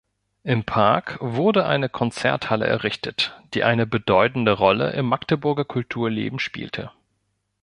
Im Park wurde eine Konzerthalle errichtet, die eine bedeutende Rolle im Magdeburger Kulturleben spielte.